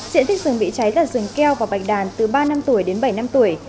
diện tích rừng bị cháy là rừng keo và bạch đàn từ ba năm tuổi đến bảy năm tuổi